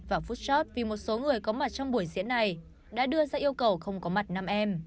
vào phút chót vì một số người có mặt trong buổi diễn này đã đưa ra yêu cầu không có mặt nam em